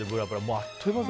あっという間ですね。